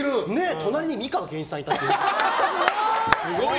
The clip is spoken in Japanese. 隣に美川憲一さんがいて。